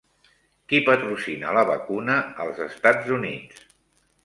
Qui patrocina la vacuna als Estats Units?